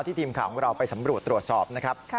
ทีมข่าวของเราไปสำรวจตรวจสอบนะครับ